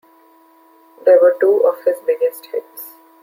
They were two of his biggest hits.